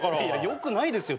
よくないですよ。